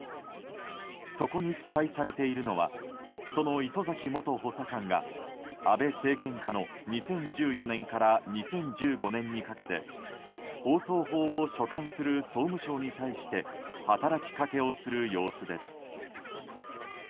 そこに記載されているのはその礒崎元補佐官が安倍政権下の２０１４年から２０１５年にかけて放送法を所管する総務省に対して働きかけをする様子です。